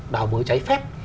đào mới cháy phép